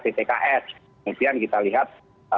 ptks kemudian kita lihat